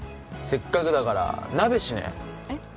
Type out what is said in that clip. せっかくだから鍋しねえ？